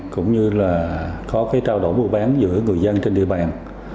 cũng như là có cái trao đổi mua bán giữa người dân trên địa bàn